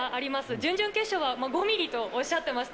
準々決勝は５ミリとおっしゃってました。